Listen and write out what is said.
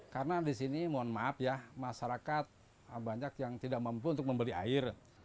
karena di sini mohon maaf ya masyarakat banyak yang tidak mampu untuk membeli air